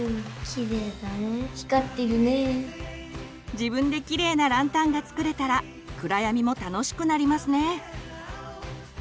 自分でキレイなランタンが作れたら暗闇も楽しくなりますね。